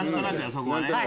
そこはね。